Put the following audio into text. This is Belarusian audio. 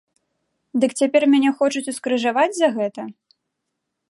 Дык цяпер мяне хочуць ускрыжаваць за гэта?